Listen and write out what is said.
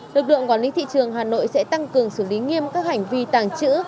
lực lượng quản lý thị trường hà nội sẽ tăng cường xử lý nghiêm các hành vi tàng trữ